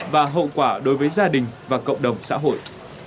và hậu quả đối với gia đình và cộng đồng xã hội